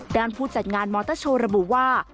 ผู้จัดงานมอเตอร์โชว์ระบุว่า